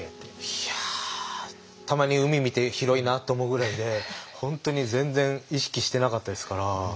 いやたまに海見て広いなあと思うぐらいで本当に全然意識してなかったですから。